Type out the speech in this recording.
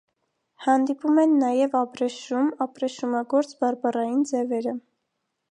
Հանդիպում են նաև աբրեշում, ապրեշումագործ բարբառային ձևերը։